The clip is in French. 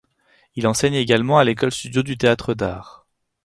Il enseigne également à l'école-studio du Théâtre d'Art.